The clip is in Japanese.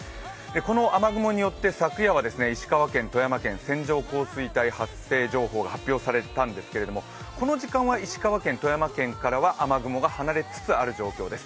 この雨雲によって昨夜は石川県、富山県、線状降水帯発生情報が発表されたんですけれどもこの時間は石川県、富山県からは雨雲は離れつつある状況です。